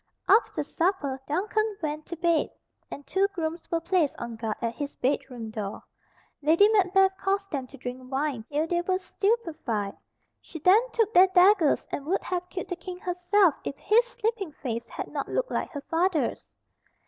After supper Duncan went to bed, and two grooms were placed on guard at his bedroom door. Lady Macbeth caused them to drink wine till they were stupefied. She then took their daggers and would have killed the King herself if his sleeping face had not looked like her father's.